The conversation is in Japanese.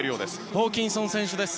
ホーキンソン選手です。